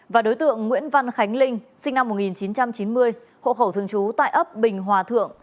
và đối tượng nguyễn văn khánh linh sinh năm một nghìn chín trăm chín mươi hộ khẩu thường trú tại ấp bình hòa thượng